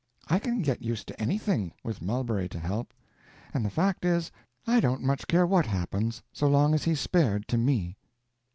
I can get used to anything, with Mulberry to help; and the fact is, I don't much care what happens, so long as he's spared to me."